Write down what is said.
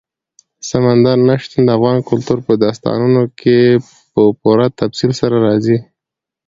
سمندر نه شتون د افغان کلتور په داستانونو کې په پوره تفصیل سره راځي.